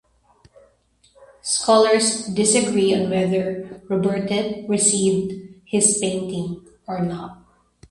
Scholars disagree on whether Robertet received his painting or not.